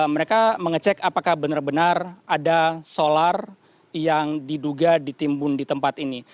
mereka mengecek apakah benar benar ada solar yang diduga ditimbun di tempat ini